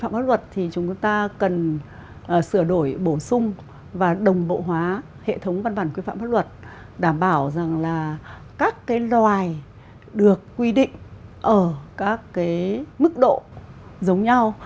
mức độ giống nhau